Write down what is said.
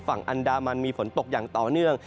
ฝั่งอันดามันมีฝนตกอย่างต่อเนื่อง